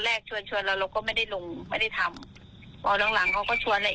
แรกชวนชวนเราเราก็ไม่ได้ลงไม่ได้ทำหลังเขาก็ชวนอะไร